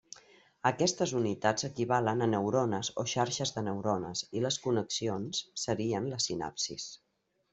Aquestes unitats equivalen a neurones o xarxes de neurones i les connexions serien les sinapsis.